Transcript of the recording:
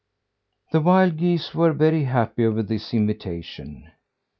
The wild geese were very happy over this invitation.